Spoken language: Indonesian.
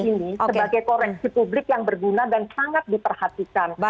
ini sebagai koreksi publik yang berguna dan sangat diperhatikan